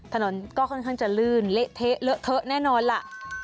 ถนนก็ค่อนข้างจะลื่นเละเทะเลอะเทอะแน่นอนล่ะ